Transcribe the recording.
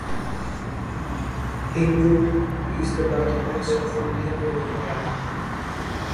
Linwood is the birthplace of William Lyndwood.